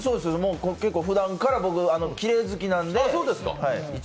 結構ふだんから僕、きれい好きなので。